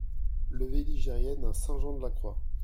Levée Ligerienne à Saint-Jean-de-la-Croix